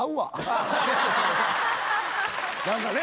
何かね。